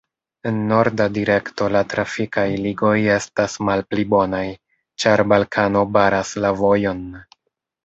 En norda direkto la trafikaj ligoj estas malpli bonaj, ĉar Balkano baras la vojon.